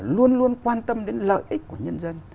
luôn luôn quan tâm đến lợi ích của nhân dân